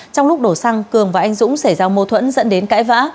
trong lúc đổ xăng cường và anh dũng xảy ra mâu thuẫn dẫn đến cãi vã